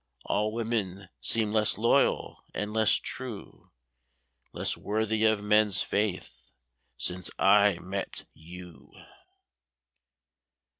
All women seem less loyal and less true, Less worthy of men's faith since I met you.